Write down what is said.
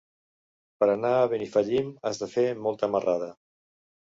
Per anar a Benifallim has de fer molta marrada.